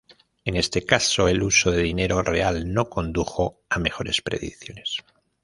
En este caso, el uso de dinero real no condujo a mejores predicciones.